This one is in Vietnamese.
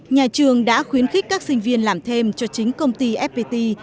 nhà trường đã khuyến khích các sinh viên làm thêm cho chính công ty fpt